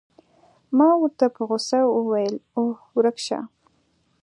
ما ورته په غوسه وویل: اوه، ورک شه.